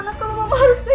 akhirnya aku ke tempat lain